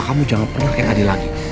kamu jangan pernah yang adil lagi